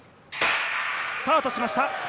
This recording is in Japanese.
スタートしました！